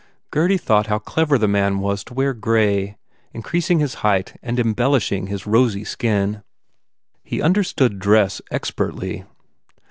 Gurdy thought how clever the man was to wear grey, increasing his height and embellishing his rosy skin. He understood dress expertly.